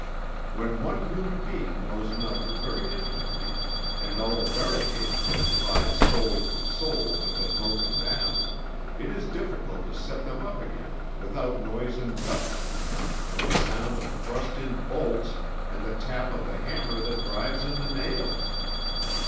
When one human being knows another very intimately, and all the barricades that divide soul from soul have been broken down, it is difficult to set them up again without noise and dust, and the sound of thrust in bolts, and the tap of the hammer that drives in the nails.